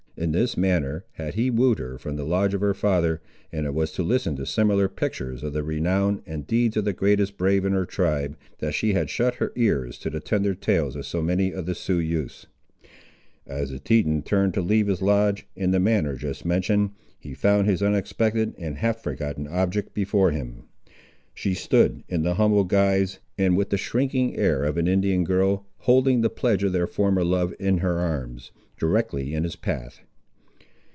In this manner had he wooed her from the lodge of her father, and it was to listen to similar pictures of the renown and deeds of the greatest brave in her tribe, that she had shut her ears to the tender tales of so many of the Sioux youths. As the Teton turned to leave his lodge, in the manner just mentioned, he found this unexpected and half forgotten object before him. She stood, in the humble guise and with the shrinking air of an Indian girl, holding the pledge of their former love in her arms, directly in his path.